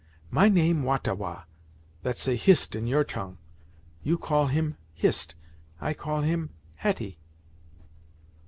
My name Wah ta Wah that say Hist in your tongue; you call him, Hist I call him, Hetty."